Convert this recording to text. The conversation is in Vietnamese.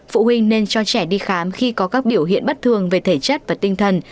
phụ huynh nên cho trẻ đi khám khi có các biểu hiện bất thường về thể chất và tinh thần